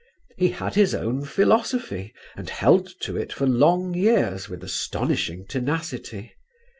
He had his own philosophy, and held to it for long years with astonishing tenacity.